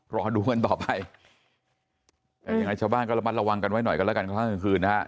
รอดูกันต่อไปแต่ยังไงชาวบ้านก็ระมัดระวังกันไว้หน่อยกันแล้วกันครั้งกลางคืนนะฮะ